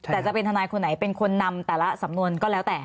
แต่จะเป็นทนายคนไหนเป็นคนนำแต่ละสำนวนก็แล้วแต่